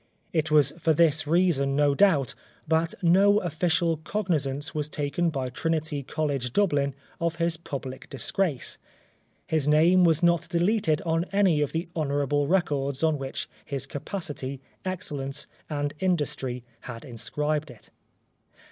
It was for this reason, no doubt, that no ofhcial cognisance was taken by Trinity College, Dublin, of his public disgrace ; his name was not deleted on any of the honourable records on which his capacity, excellence and industry had inscribed it.